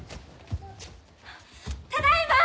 ただいま！